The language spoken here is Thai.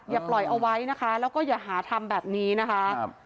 อย่าปล่อยเอาไว้นะคะแล้วก็อย่าหาทำแบบนี้นะคะ